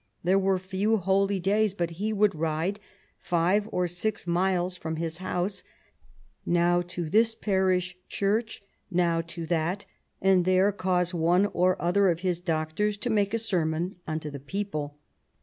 There were few holy days but he would ride five or six miles from his house, now to this parish church, now to that, and there cause one or other of his doctors to make a sermon unto the people.